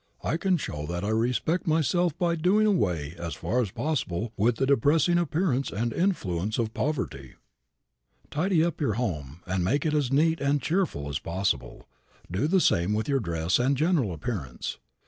I can show that I respect myself by doing away as far as possible with the depressing appearance and influence of poverty." Tidy up your little home and make it as neat and cheerful as possible. Do the same with your dress and general appearance.